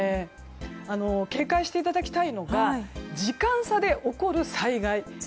警戒していただきたいのが時間差で起こる災害。